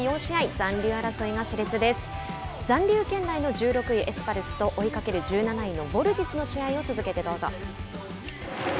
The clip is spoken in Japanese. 残留圏内の１６位エスパルスと追いかける１７位のヴォルティスの試合を続けてどうぞ。